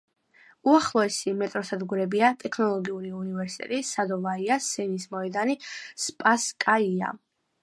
უახლოესი მეტროსადგურებია „ტექნოლოგიური უნივერსიტეტი“, „სადოვაია“, „სენის მოედანი“, „სპასკაია“.